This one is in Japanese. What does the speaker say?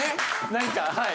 何かはい。